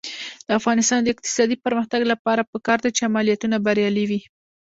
د افغانستان د اقتصادي پرمختګ لپاره پکار ده چې عملیاتونه بریالي وي.